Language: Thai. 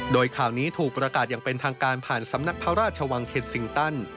โดยข่าวนี้ถูกประกาศอย่างเป็นทางการผ่านสำนักพระราชวังเขตซิงตัน